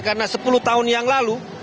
karena sepuluh tahun yang lalu